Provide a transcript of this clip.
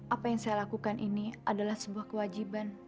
apa yang saya lakukan ini adalah sebuah kewajiban